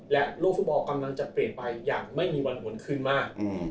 และโลกฟุตบอลกำลังจะเปลี่ยนไปอย่างไม่มีวันหวนขึ้นมาก